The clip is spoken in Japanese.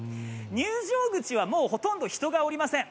入場口はもうほとんど人がおりません。